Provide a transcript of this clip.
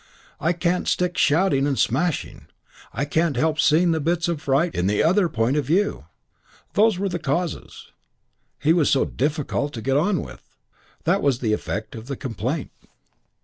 "I can't stick shouting and smashing" "I can't help seeing the bits of right in the other point of view": those were the causes. He was so difficult to get on with: that was the effect of the complaint.